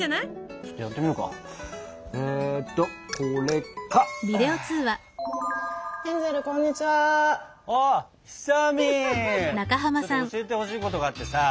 ちょっと教えてほしいことがあってさ。